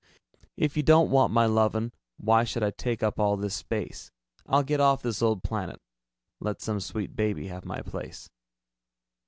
If you don't want my lovin', Why should I take up all this space? I'll get off this old planet, Let some sweet baby have my place.